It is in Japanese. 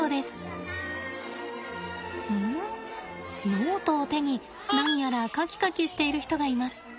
ノートを手に何やら描き描きしている人がいます。